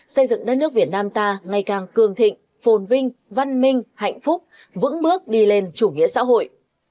xây dựng đất nước việt nam ta ngày càng cường thịnh phồn vinh văn minh hạnh phúc vững bước đi lên chủ nghĩa xã hội